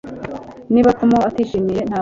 Niba Tom atishimiye ntabwo nishimye